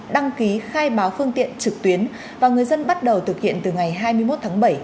đăng ký khai báo phương tiện trực tuyến và người dân bắt đầu thực hiện từ ngày hai mươi một tháng bảy